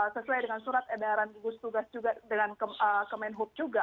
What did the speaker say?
sesuai dengan surat edaran gugus tugas juga dengan kemenhub juga